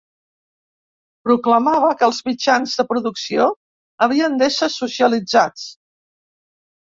Proclamava que els mitjans de producció havien d'ésser socialitzats.